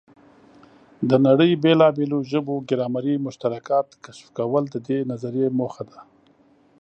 د نړۍ بېلابېلو ژبو ګرامري مشترکات کشف کول د دې نظریې موخه ده.